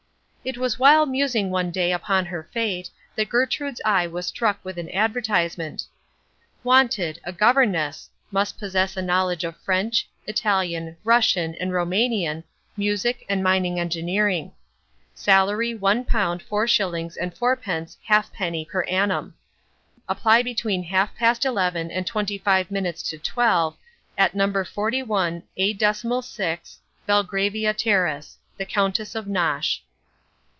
It was while musing one day upon her fate that Gertrude's eye was struck with an advertisement. "Wanted a governess; must possess a knowledge of French, Italian, Russian, and Roumanian, Music, and Mining Engineering. Salary £1, 4 shillings and 4 pence halfpenny per annum. Apply between half past eleven and twenty five minutes to twelve at No. 41 A Decimal Six, Belgravia Terrace. The Countess of Nosh."